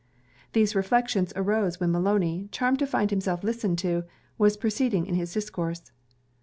These reflections arose while Maloney, charmed to find himself listened to, was proceeding in his discourse.